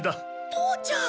父ちゃん！